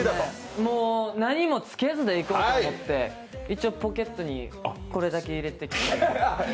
もう何もつけずにいこうと思って一応ポケットにこれだけ入れてきて。